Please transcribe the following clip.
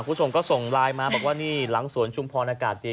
คุณผู้ชมก็ส่งไลน์มาบอกว่านี่หลังสวนชุมพรอากาศดี